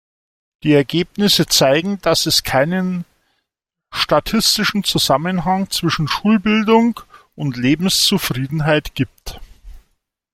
Die Ergebnisse zeigen, dass es keinen statistischen Zusammenhang zwischen Schulbildung und Lebenszufriedenheit gibt.